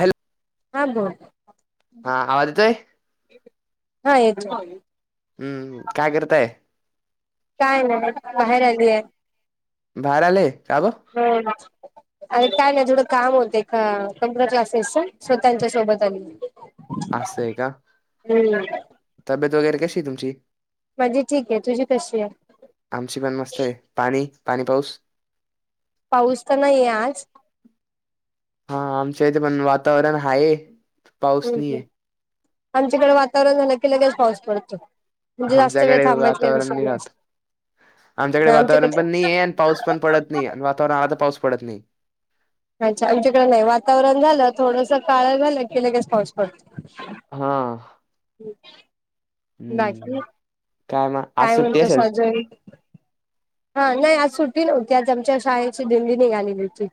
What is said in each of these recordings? Hello, हा बोल हा आवाज येतोय? हा येतोय. हम्म् काय करताय? काय नाही, बाहेर आलीये. बाहेर आली, का ग? [unintelligible] अरे काय नाही थोडं काम होते, का कम्प्युटर क्लासेसच स्वाती ताईच्या सोबत आली. असंय का? हम्म तब्येत वगैरे कशी ये तुमची? माझी ठीक ये, तुझी कशी ये? आमची पण मस्त ये, पाणी- पाणी पाऊस? पाऊस त नाहीे ये आज. हा आमच्या इथे पण वातावरण हाये. हम् हम्, आमच्याकडे वातावरण झालं की लगेच पाऊस पडतो. म्हणजे जास्त वेळ आमच्याकडे थांबायचा काही वातावरण नाही विषय राहात, नसतो आमच्याकडे वातावरण पण नाही ये आणि पाऊस पण पडत नाही आणि वातावरण हा ता पाऊस पडत नाही. अच्छा आमच्याकडे नाही, वातावरण झालं थोडसं काळं झालं कि लगेच पाऊस पडतो. हा, बाकी हम्म. मग आज काय सुट्टी म्हणता असेल सॉजरी हा नाय आज सुट्टी नव्हती, आज आमच्या शाळेची दिंडी निघालेली होती.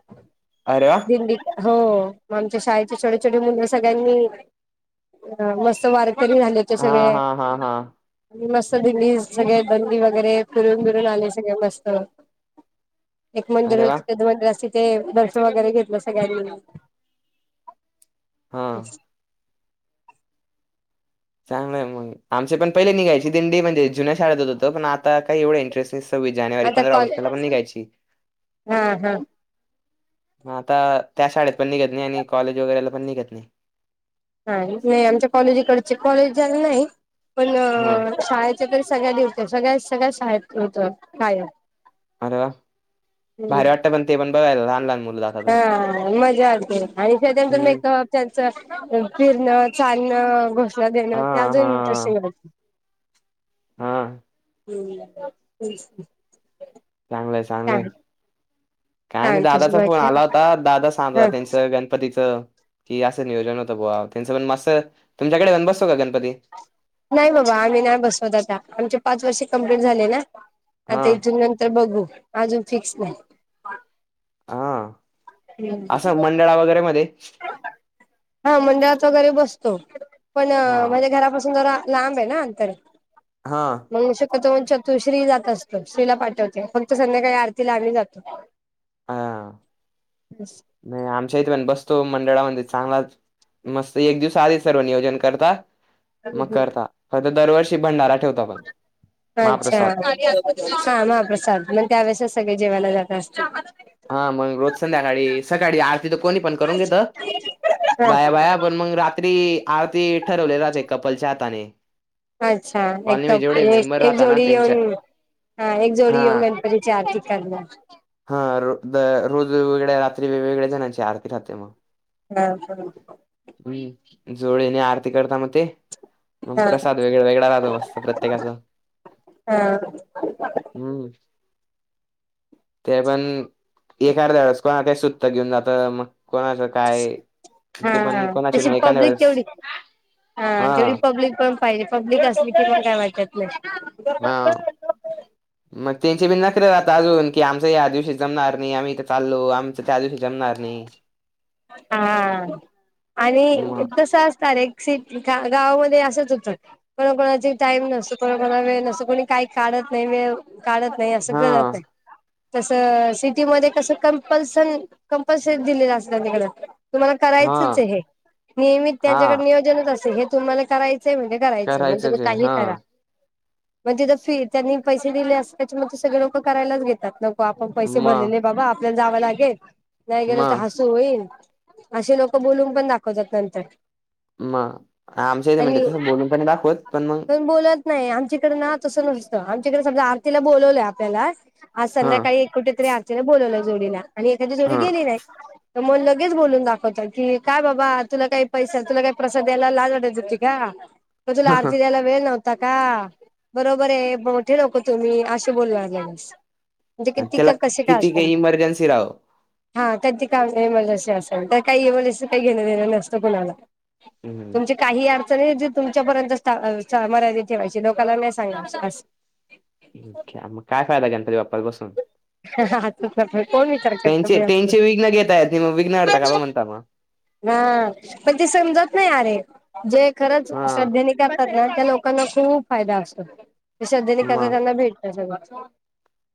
आरे व्वा. दिंडी हो मग आमच्या शाळेचे छोटे -छोटे मुलं सगळ्यांनी हं मस्त वारकरी झाले. हा हा हा हा सगळे मस्त दिधली सगळे बंदी वगैरे फिरून फिरून आले. मस्त एक मंदिर अरे वा होत तिथं मद्रासी ते दर्शन वगैरे घेतलं सगळ्यांनी हा. चांगलंय मग आमचे पण पहिले निघायचे दिंडी म्हणजे जुन्या शाळेत होत पण आता काही एवढं इंटरेस्ट नाही. सव्वीस जानेवारी पंधरा ऑगस्त ला पण निघायची हां हां. ह आता त्या शाळेत पण निघत नाही आणि कॉलेज वगैरेला पण निघत नाही. हा नाही आमच्या कॉलेजीकडचे कॉलेजला नाही पण हा शाळेच तरी सगळ्या हे हुतं सगळ्या सगळ्या शाळेततं होत काय अरे वा भारी वाटत पण ते पण बघायला लहान लहान मुल हा मजा आसते आणि त्याच्यानंतर हम्म. मेकअप त्यांचं फिरणं चालणं घोषणा शना देण ना हां त्याजून इटरेस्टीग होत हा.. हम्.. चांगलंय चांगलंय हे काय नाही छान तशी दादाचा फोन बाकी आला होता दादा सांग होता हा त्यांचं गणपतीचं कि असं नियोजन होतं बुवा त्यांचं पण मस्त, तुमच्याकडे बसतो का गणपती? नाही बाबा आम्ही नाही बसवत आता आमचे पाच वर्षे कमप्लीट झाले ना आता हां. इथूनंतर तर बघू अजून फिक्स नाही. हां. असं मंडळा वगैरे मध्ये हा मंडळात वैगरे बसतो पण हां. माझ्या घरापासून जरा लांब आहे ना अंतर. हा. मग शकत चतुश्री जात असतो श्रीला पाठवते फक्त संध्याकाळी आरतीला आम्ही जातो. [inaudible] हां. नाही आमच्या इथे पण बसतो मंडळामध्ये चांगलाच मस्त एक दिवस आधी सर्व नियोजन करतात. मग करता फक्त दरवर्षी भंडारा ठेवता पण अच्छा महाप्रसाद हा महाप्रसाद मग त्या वळेस सगळे जेवायला जात असतात हा मग रोज संध्याकाळी सकाळी आरती तर कोणी पण करून घेत बाया हा बाया आपण मग रात्री आरती ठरवले जाते कपलच्या हाताने अच्छा कॉलनीमध्ये एकप जेवढे मेंबर एक एक राहता ना जोडी त्यांच्या येऊन हा एक जोडी हा येऊ गणपतीची आरती करणार.. हा र रोज वेगळ्या रात्री वेगळ्या जणांची आरती राहते मग हा हा.. हम्म जोडीने आरती करता मग ते मग हा प्रसाद वेगळा वेगळा राहतो मस्त प्रत्येकाच हा हम्म ते पण एक अर्ध्याळेस का ते सुटत घेऊन जात मग कोणाचं काय हा ते पण हा कोणाचे तशी म एखाद्य पब्लिक वेळेस तेवढी हा तेवढी पब्लिक पण पाहिजे पब्लिक असली की मग काय वाटत नाही. हा.. मग त्यांचे बी नक जात अजून, की आमच या दिवशी जमणार नाही आम्हीथे चालो आमच त्या दिवशी जमणार नाही? [unintelligible] हा, आणि मग कस असत एक. गावामध्ये असच होतं? कोण कोणाचे टाईम नसतो, कोणा कोणी वेल नसत, कोणी काही काढत नाहीळ वेल. काढत नाही असं हा करत नाही? तसं सिटीमध्येध्ये कस कंपल्सन कंपल्सरी दिलेलं अस तिकड. तुम्हाला हा करायचंच आहे हे. नियमित हा त्यांच्याकडे नियोजनच असे हे तुम्हाला करायचंय म्हणजे, करायच म्हण करायचंच तुम्ही आहे काही हा करा? म्हणजे ज फी त्यांनी पैसे दिले अस त्याच्यामध्ये सगळे लोक करायलाच घेतात ल. आपण पैसे मग भरलेले बाबा आपल्याला जावं लागेल नाही गेल तर मग ह. होईल असे लोक बोलून पण दाखवतात नंतर. मग आमच्या इथे म्हणते आणि तसं बोलून पण दाखवत पण मग. आमच्याकड ना तसं नसतं आमच्याकडे आरतीला बोलवलंय आपल्याला हा संध्याकाळी एक कुठेतरी आने बोलवलं आणि एखादी जोडी हा गेली नाही. मग लगेच बोलून दाखवतात की काय बाबा तुला काही पैसा तुला काही प्रसाद द्यायला लाज वाटत होती का. त तुला आरती द्याला. वेळ नव्हता का, बरोबर आहे मोठे नको तुम्ही असे बोलू लागलेस. म्हणजे किती का त्याला कसे काय किती असत.? काही इमर्जन्सी राहो हा त्यांची काम नाही मलाशी असेल तर काही म काही घेणं देणं नसतं कुणाला. हम्म तुमची काही अडचण आहे जे तुमच्यापर्यंत मर्यादित ठेवायची लोकाांला नाही सांगा. [unintelligible] मग काय फायदा घेण तरी बसून. कोण विचार करत त्यांचे बाई असं गोष्टी त्यांचे घेताय म विघ्न का म्हणता मग. हा पण ते समजत नाही अरे, जे खरंच हा श्रद्धे न काातात ना त्या लोक. लोकांना खूप फायदा असतो श्रद्धने करता मग त्यांना भेटत सगळं.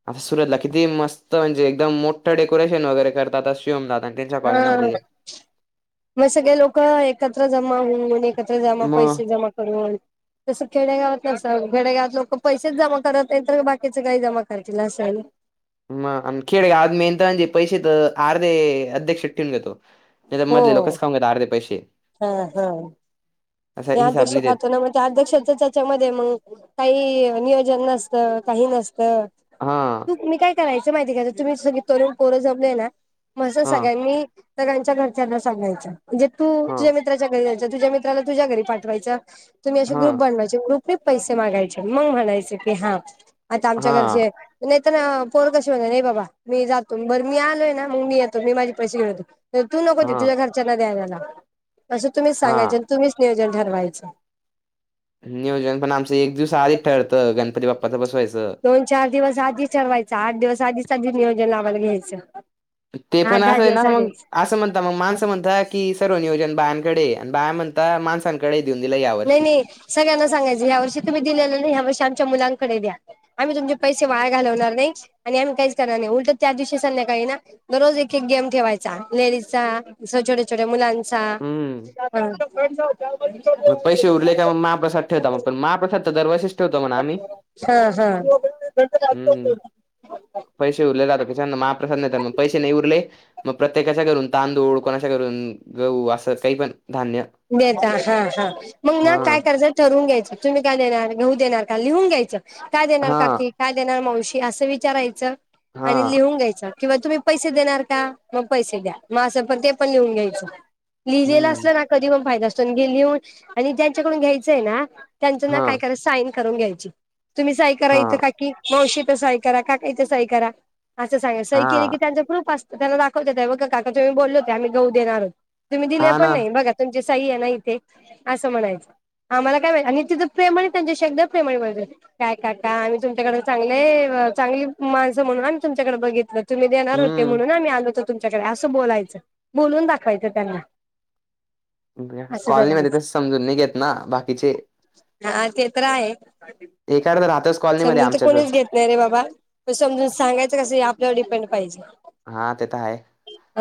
आता सुरतला किती मस्त म्हणजे एकदम मोठं वगैरे शिवमला. हा मग सगळे लोक एकत्र जमा होऊन एक. क जमा मग पैसे जमा करून. जसं खेडेगावात नस खेडेगावात लोक पैसेच जमा करत नाही तर बाकीचे काही जमा करतील असेल.? म खेळ आज मेंत्रणचे पैसे तर अर्धे अध्यक्ष ठेवून घेतो. नाही तर मधले हो लोकच खाऊ घेत अर्धे पैसे. असा [unintelligible] हिसाब नाही देत चदक्षता त्याच्यामध्येध्ये मग काही नियोजन, नसत काही नसत. हा तू मी काय करायचं माहिती घराय तुम्ही सग तरुण पोरं जमलेय ना. मसं हा सगळ्यांनी सगळांच्या घरच्यांना सांगायच म्हणजे तू हा तुझ्या मित्राच्या घरी ्या मित्र त्या घरी पावाप हा ब ते पैसे मागायचे मग म्हणायचे की हा आता आमच्या हा घरचे. नाही तर ना पोर कसे होणार नाही बाबा मी जातो बरं मी आलोय ना मग मी येतो मी माझे पैसे घेऊन होते. तू नको दे हा तुझ्या घरच्यां द्यायला असं तुम्हीच हा सांगायं तुम्हीच नियोजन ठरवायचं. नियोजन पण आमच एक दिवस आधी ठरतं गणपती बाप्पाच बसवायचं.? दोन दिवस आधी ठरवायचं दिवस आधीच आधी नियोजन लाला घ्यायचं. ते आठ असं दहा आहे ना दिवस मग आधीच असं म्हणत मग. असं म्हणता की सर्व नियोजन बायांकडे आणि बाया म्हणता माणसांकडे देऊन दिला या नाही वर्षी. नाही सगळ्यांना सांगयं ह या वर्षी तु्ही दिले नाही ह्या वर्ष आमच्यालांकडे द्या.? आम्ही तुमचे पैसे वाया घालवणार नाही आणि आम्ही काहीच करणार नाही उलटं त्या दिवशी संध्याकाळी ना दरोज एक एक गेम ठेवायचा लेडीजचा, छोट्या-छोट्या मुलां चां हम्म. अ मग पैसे उरले का मग महाप्रसाद ठेवता म पण महाप्रसाद तर दरवर्षीच ठेवतो म्हणा आम्ही हा हा हा हम्म. पैशे उरले जातं की [unintelligible] महाप्रसाद नाहीेतर मग पैशे नाही उरले म प्रत्येकाच्या करून तांदूळ कोणाच्या करून गहू असं काही पण धान्य देता हा हा मग ना हां. काय करायचं ठरवून घ्यायचं. तुम्ही काय देणार घेऊ देणार का लिहून घ्यायचं काय देणार हां. काकी काय देणार मावशी असं विचारायचं आणि हां. लिहून घ्यायचं. किंवा तुम्ही पैसे देणार का म पैसे द्या मग असं पण ते पण लिहून घ्यायचं. लिहिलेलं हम्म. असलं ना कधी पण फायदा असतो अन गे लिहून आणि ज्यांच्याकडून घ्यायचं आहे ना त्यांचा ना काय हां. करायचा साईन करून घ्यायची तुम्ही सही करा इथं हां. काकी मावशी इथे सही करा काका इथे सही करा असं सांगाय सही केलं की हां. त्यांचं प्रूफ अस त्यांना दाखवयचा त्या बघा काका तुम्ही बोलले होते आम्ही गहूं देणार तुम्ही दिले हां पण ना. नाही बघा. तुमचे सही आहे ना इथे असं म्हणायचं. आम्हाला काय वे आणि तिथं प्रेमनी त्यांच्याशी एकदम प्रेमाने बोलायचे. काय काका आम्ही तुमच्याकडे चांगलेय व चांगली माणसं म्हणून आम्ही तुमच्याकडे बघितलोत तुम्ही देणार होते हम्म. म्हणून आम्ही आलो होतो तुमच्याकडे असं बोलायचं बोलून दाखवायचं त्यांना. [unintelligible] असं कॉलनी मध्ये करायचं तसं समजून नाही घेत ना बाकीचे. हा ते तर आहे एखादं राहतच कॉलनीमध्ये समजून तर आमच्या कोणीच घेत नाही रे बाबा समजून सांगायचं कसं आहे आपल्यावर डिपेंड पाहिजे. हा ते तर आहे.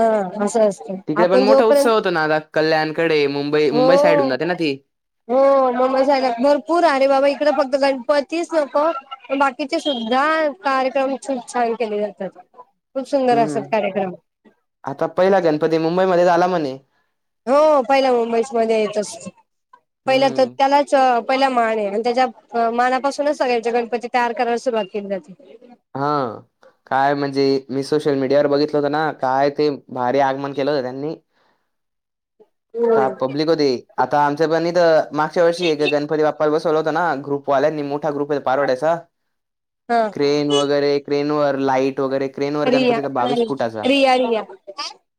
आं असा अस तिकडे पण मोठा उत्सव होतो ना आता कल्याणकडे मुंबई मुंबई साईडून हो जाते ना ती. हो. म मुंबई साइडला भरपूर अरे बाबा इकडे फक्त गणपतीच नको बाकीचे सुद्धा कार्यक्रम खूप छान केले जातात खूप सुंदर असतात हम्म. कार्यक्रम. आता पहिला गणपती मुंबईमध्ये झाला म्हणे. हो पहिला मुंबईस मध्ये येतच तो पहिला तर हम्म. त्यालाच अ पहिला मान आहे आणि त्याच्या मानापासूनच सगळ्यांच्या गणपती तयार करायला सुरुवात केली जाते. हा. काय म्हणजे मी सोशल मीडियावर बघितलं होत ना काय ते भारी आगमन केलं होतं त्यांनी काय हम्म पब्लिक होते आता आमच्या पणी तर मागच्या वर्षी हे का गणपती बा पाला बसवलं होतं ना ग्रूपवाल्यांनी मोठा ग्रुप आहे पारवडयचा. हा. तर हे क्रेन वर लाईट वगैरे क्रेनवर रिया गणपतीचा बावीस नाही फुटाचा रिया रिया.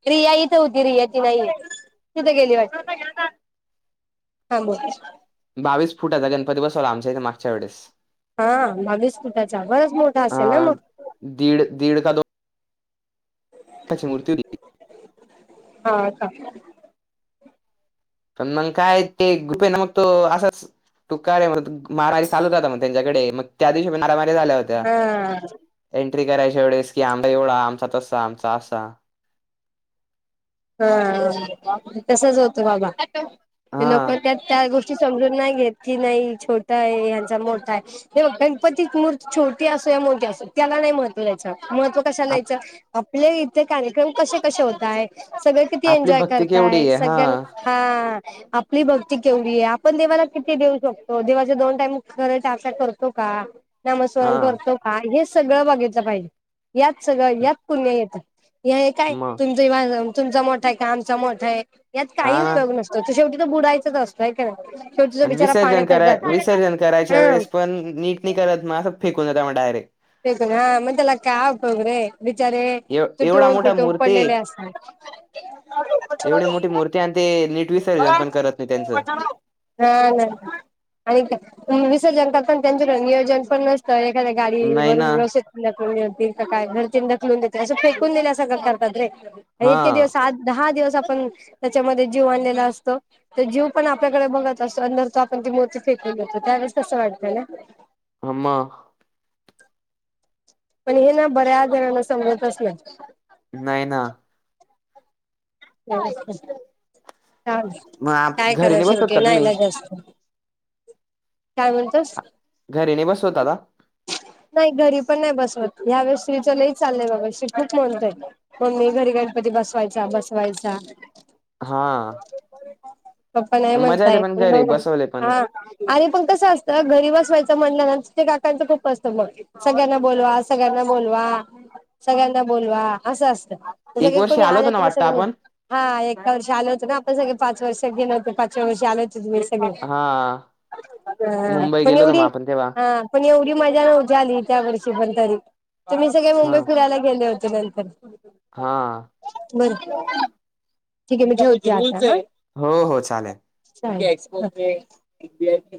रिया इथं होती रिया ती नाही तिथे गेली वाट [unintelligible] बावीस फुटाचा गणपती बसवला आमच्या इथे मागच्या वेळेस. हा बावीस फुटाचा बरच अ असेल ना मग. दीड त्याची मूर्ती होती ती. हा का? पण मग काय ते गुपे आहे ना मग तो असंच तू काय रे म्हणे, मारामारी चालूच राहतात म्हणे त्यांच्याकडे. मग त्या दिवशी मारामारी झाल्या होत्या. हा एंट्री करायच्या वेळेस. की आमच एवढा आमचा तसा आमचा असा. हा तसच होत बाबा. ते हा लोक त्यात त्या गोष्टी समजून नाही घेत की नाही छोटा आहे यांचा मोठा आहे. हे बघ, गणपतीत मूर्ती छोटी असो या मोठी असो त्याला नाही मह त्व, महत्व कशा आप द्यायच आपले इथे कार्यक्रम कसे कसे होताय. सगळे किती आपली एन्जॉय भक्ती केवढी करताय. आहे हा सगळ्या हा आपली भक्ती केवढी आहे. आपण देवाला किती देऊ शकतो. देवाच्या दोन टाईम खरच आरत्या करतो का. हा नामस्मरण करतो का. हे सगळ बघितल पाहिजे. यात सगळ यात पुण्य येत. हे काय मग तुमच माझ तुमचा मोठा आहे का आमचा मोठा आहे. यात काही हा ना उपयोग नसतो. शेवटी तर बुडायचच असतय हय कि नाही. शेवटी तो आणि बिचारा विसर्जन पाण्यातच कराय, जातो विसर्जन करायच्या हा वेळेस पण नीट न करत मग अस फेकून देता मग डायरेक्ट. [unintelligible] बिचारे एव एवढा तुटून मोठा फुटून मूर्ती पडलेले असतात. एवढी मोठी मूर्ती आणि ते नीट विसर्जन पण करत नाही त्यांच. हा ना. आणि विसर्जन करता ण त्यांच नियोजन पण नसत. तर एखाद्या गाडी नाही वरून ना काय घर त ढकलुन देत, अस फेकून दिल्यासारख करततात रे. हा इतके दिवस आ दहा दिवस आपण त्याच्यामध्ये जीव आणलेला असतो. तर जीव पण आपल्याकडे बघत असतो. आणि धरतो आपण ती मूर्ती फेकून देतो त्यावेेळेस कस वाटत ना. हो म पण हे ना बऱ्याच जणांना समजतच नाही. नाही ना. मग आप काय घरी करा नाही सेव्ह बसवत का केलाय तुम्ही? लगेच तो. काय म्हणतोस. घरी नाही बसवत दादा. नाही घरी पण नाही बसवत. ह्यावेळे श्रीच लही चालय बाबा श्री खूप म्हणतोय मम्मी घरी गणपती बसवायचा बसवायचा. हा पप्पा नाही मजा येते म्हणताय पण घरी बघू. बसवले पण. हा आणि मग कस असत घरी बसवायच म्हटल ना त ते काकांच खूप असत मग. सगळ्यांना बोलवा. सगळ्यांना बोलवा. सगळ्यांना बोलवा. अस असत. एक सगळे वर्षी कोणी आलो आले होतो ना की मी वाटतं सगळे आपण? हा एका वर्ष आल होत ना आपण सगळे. पाच वर्षात गेल होतते पाचव्या वर्ष आो होते ह हा मुंबई पण गेलो होतो एवढी मग आपण तेव्हा. हा पण एवढी मजा नव्ह आली त्या वर्षी पण तरी. तुम्ही सगळे मुंबई हा फिरायला गल होते नंतर. हा बर ठीक आहे मी ठेवते आता ह. हो हो चालेल. [unintelligible]